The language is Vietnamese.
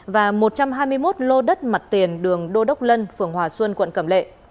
và một trăm hai mươi một lô đất mặt tiền đường đô đốc lân phường hòa xuân quận cẩm lệ